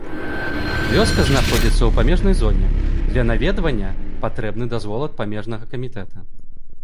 Вёска знаходзіцца ў памежнай зоне, для наведвання патрэбны дазвол ад памежнага камітэта.